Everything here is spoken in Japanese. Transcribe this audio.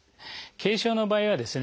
軽症の場合はですね